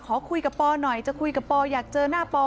ขอคุยกับปอหน่อยจะคุยกับปออยากเจอหน้าปอ